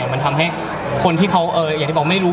มันทำให้คนที่เขาอย่างที่บอกไม่รู้